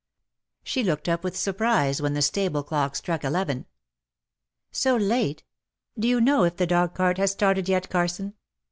She looked up with surprise when the stable clock struck eleven. " So late ? Do you know if the dog cart has started yet, Carson ?"